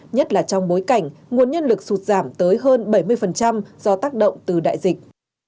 nhất là trong bối cảnh nguồn nhân lực sụt giảm tới hơn bảy mươi do tác động từ đại dịch